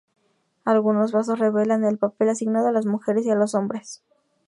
Algunos vasos revelan el papel asignado a las mujeres y a los hombres.